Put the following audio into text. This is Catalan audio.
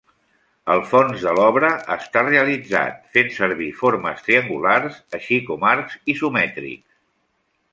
El fons de l'obra està realitzat fent servir formes triangulars, així com arcs isomètrics.